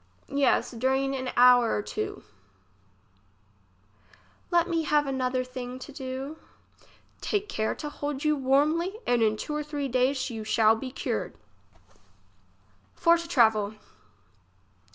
Yes, during a hour or two. English as she is spoke. 37 Let me have another thing to do ? Take care to hold you warme ly, and in two or three days you shall be cured. For to travel.